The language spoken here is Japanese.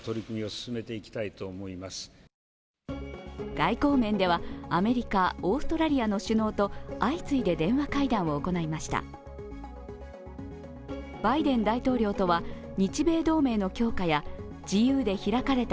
外交面ではアメリカ、オーストラリアの首脳と相次いで電話会談を行いました。